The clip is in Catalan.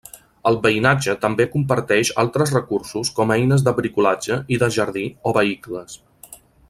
El veïnatge també comparteix altres recursos com eines de bricolatge i de jardí o vehicles.